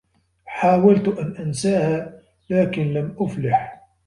حاولت أن أنساها، لكن لم أُفلِح.